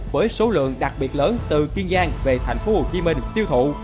với số lượng đặc biệt lớn từ kiên giang về tp hcm tiêu thụ